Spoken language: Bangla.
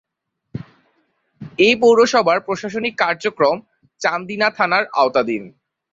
এ পৌরসভার প্রশাসনিক কার্যক্রম চান্দিনা থানার আওতাধীন।